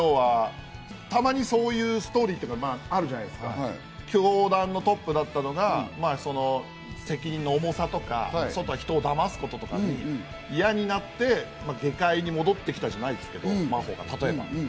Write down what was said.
たまにそういうストーリーっていうか、あるじゃないですか、教団のトップだったのが責任の重さとか人をだますこととかに嫌になって、下界に戻ってきたじゃないですけど、真帆が、例えば。